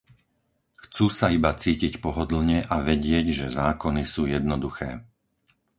Chcú sa iba cítiť pohodlne a vedieť, že zákony sú jednoduché.